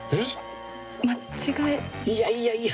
いやいやいや。